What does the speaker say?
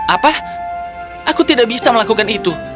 apa aku tidak bisa melakukan itu